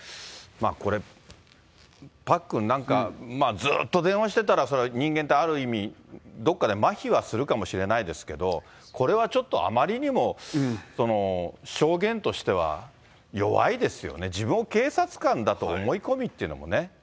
これ、パックン、なんか、ずっと電話してたら、そりゃ、人間ってある意味、どこかでまひはするかもしれないですけれども、これはちょっとあまりにも証言としては弱いですよね、自分を警察官だと思い込みっていうのもね。